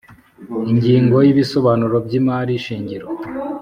Ingingo y’Ibisobanuro by’ Imari shingiro